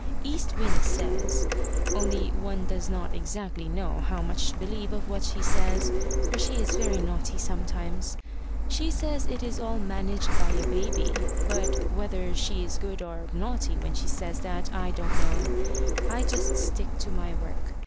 East Wind says only one does not exactly know how much to believe of what she says, for she is very naughty sometimes she says it is all managed by a baby; but whether she is good or naughty when she says that, I don't know. I just stick to my work.